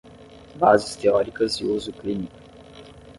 Bases teóricas e uso clínico